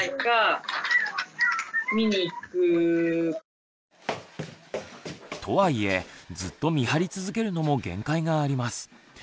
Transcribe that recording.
・おりて。とはいえずっと見張り続けるのも限界があります。